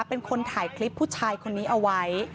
เป็นคนถ่ายคลิปผู้ชายคนนี้เอาไว้